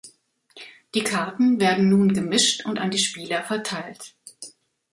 Die Karten werden nun gemischt und an die Spieler verteilt.